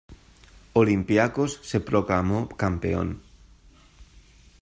Olympiacos se proclamó campeón.